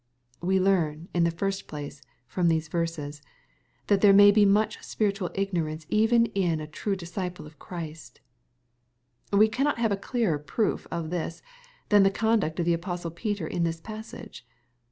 We learn, in the first place, from these verses, that there may be much spiritual ignorance even in a true disciple of Christ We cannot have a clearer proof of this, than the con duct of the apostle Peter in this passage.